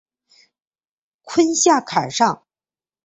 坤下坎上。